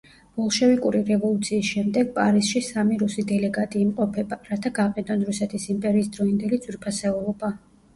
ბოლშევიკური რევოლუციის შემდეგ პარიზში სამი რუსი დელეგატი იმყოფება, რათა გაყიდონ რუსეთის იმპერიის დროინდელი ძვირფასეულობა.